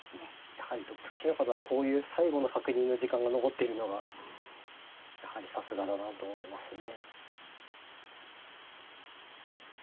やはりトップ棋士の方はこういう最後の確認の時間が残っているのがやはりさすがだなと思いますね。